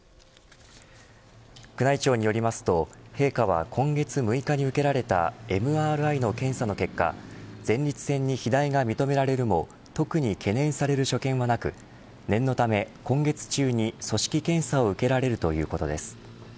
宮内庁によりますと陛下は今月６日に受けられたＭＲＩの検査の結果前立腺に肥大が認められるも特に懸念される所見はなく念のため今月中に組織検査を受けられるということです。